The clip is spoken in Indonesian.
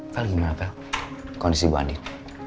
pak gimana pak kondisi bu andin